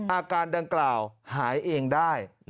อาการดังกล่าวหายเองได้